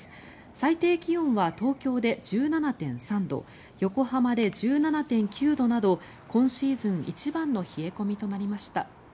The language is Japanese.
最低気温は東京で１７．３度横浜で１７．９度など今シーズン一番の冷え込みとなりました。